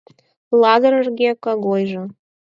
Лазыр эрге Когойжо